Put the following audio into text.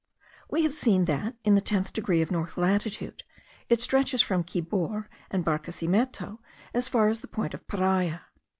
We have seen that, in the tenth degree of north latitude, it stretches from Quibor and Barquesimeto as far as the point of Paria.